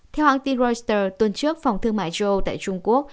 theo hãng tin reuters tuần trước phòng thương mại châu âu tại trung quốc